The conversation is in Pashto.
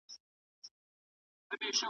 دا سر زوري خلک غوږ پر هره وینا نه نیسي .